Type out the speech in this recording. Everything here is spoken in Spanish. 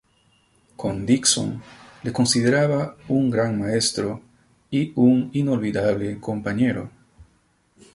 Conde Dixon le consideraba "un gran maestro y un inolvidable compañero".